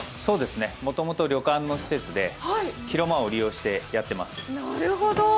そうです、もともと旅館の施設で、広間を利用してやってます。